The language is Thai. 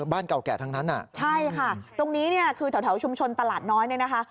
บ้านเก่าแก่ทั้งนั้นอ่ะใช่ค่ะตรงนี้เนี่ยคือแถวชุมชนตลาดน้อยเนี่ยนะคะ